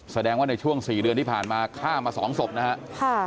แสดงว่าในช่วง๔เดือนที่ผ่านมาฆ่ามา๒ศพนะครับ